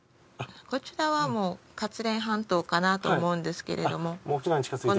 こちらはもう勝連半島かなと思うんですけれども